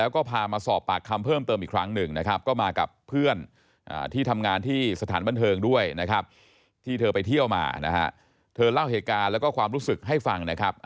ก็พูดดีมากเพราะว่าตอนนั้นคือกลัวมาก